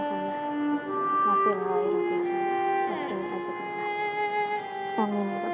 kita harus mencari penyelesaian yang bisa diperoleh